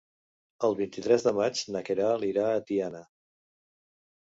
El vint-i-tres de maig na Queralt irà a Tiana.